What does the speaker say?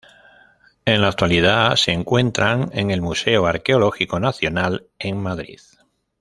En la actualidad se encuentran en el Museo Arqueológico Nacional, en Madrid.